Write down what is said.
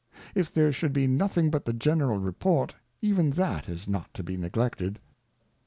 If there should be nothing but the general Report, even that is not to be neglected.